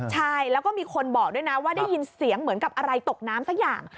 ใช่แล้วก็มีคนบอกด้วยนะว่าได้ยินเสียงเหมือนกับอะไรตกน้ำสักอย่าง